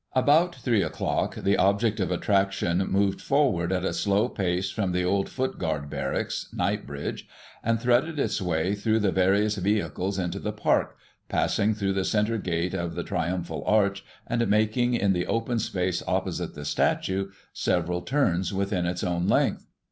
About 3 o'clock the object of attraction moved forward at a slow pace from the old Foot Guard Barracks, Knightsbridge, and threaded its way through the various vehicles into the Park, passing through the centre gate of the triumphal arch, and making, in the open space opposite the statue, several turns within its own length.